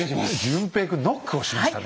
淳平君ノックをしましたね